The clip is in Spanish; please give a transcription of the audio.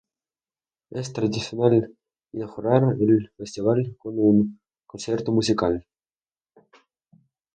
Es tradicional inaugurar el Festival con un concierto musical.